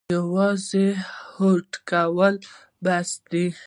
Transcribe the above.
یوازې هوډ کول بس دي؟